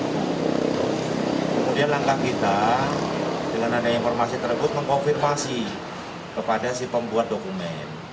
kemudian langkah kita dengan ada informasi tersebut mengkonfirmasi kepada si pembuat dokumen